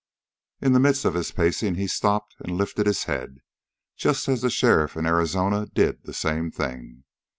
In the midst of his pacing he stopped and lifted his head, just as the sheriff and Arizona did the same thing.